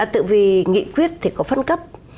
tự vì nghị quyết thì có phân cấp